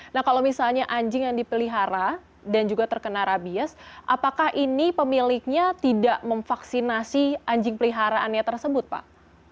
nah kalau misalnya anjing yang dipelihara dan juga terkena rabies apakah ini pemiliknya tidak memvaksinasi anjing peliharaannya tersebut pak